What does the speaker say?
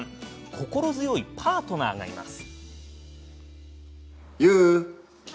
心強いパートナーがいます。